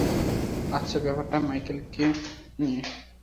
আচ্ছা, ব্যাপারটা মাইকেলকে নিয়ে।